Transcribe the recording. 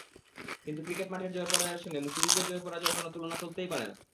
কিন্তু ক্রিকেট মাঠের জয়-পরাজয়ের সঙ্গে মুক্তিযুদ্ধের জয়-পরাজয়ের কোনো তুলনা চলতেই পারে না।